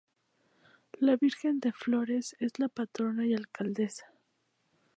La Virgen de Flores es la Patrona y Alcaldesa.